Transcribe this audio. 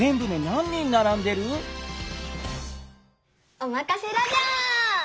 おまかせラジャー！